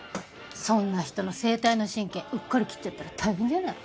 そんな人の声帯の神経うっかり切っちゃったら大変じゃない。